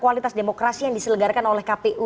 kualitas demokrasi yang diselenggarakan oleh kpu